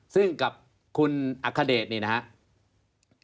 ซึ่งกับคุณอัคคเดชเนี่ยนะฮะ